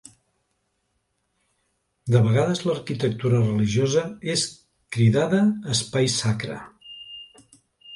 De vegades l'arquitectura religiosa és cridada espai sacre.